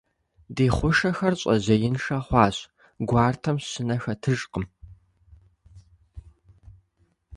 Ди хъушэхэр щӀэжьеиншэ хъуащ, гуартэм щынэ хэтыжкъым.